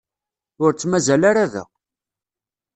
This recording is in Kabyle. Ur tt-mazal ara da.